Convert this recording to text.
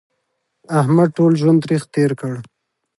احمد ټول ژوند تریخ تېر کړ